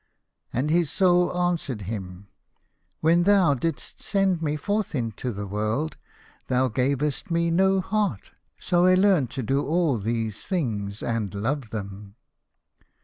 And his Soul answered him, "When thou didst send me forth into the world thou gavest 1 14 The Fisherman and his Soul. me no heart, so I learned to do all these things and love them."